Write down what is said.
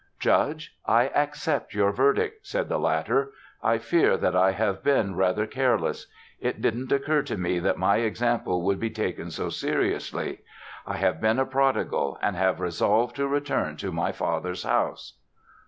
"Judge, I accept your verdict," said the latter. "I fear that I have been rather careless. It didn't occur to me that my example would be taken so seriously. I have been a prodigal and have resolved to return to my father's house."